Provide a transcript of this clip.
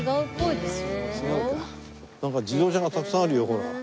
なんか自動車がたくさんあるよほら。